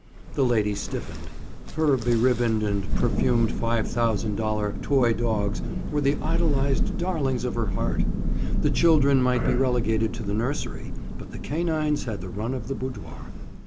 The lady stiffened. Her beribboned and perfumed five thousand dollar toy dogs were the idolized darlings of her heart. The children might be relegated to the nursery but the canines had the run of the boudoir.